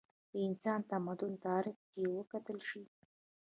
د انسان د تمدن تاریخ چې وکتلے شي